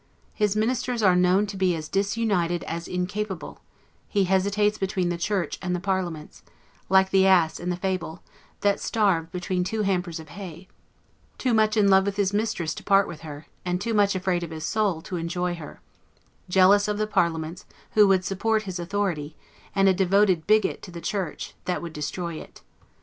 His ministers are known to be as disunited as incapable; he hesitates between the Church and the parliaments, like the ass in the fable, that starved between two hampers of hay: too much in love with his mistress to part with her, and too much afraid of his soul to enjoy her; jealous of the parliaments, who would support his authority; and a devoted bigot to the Church, that would destroy it.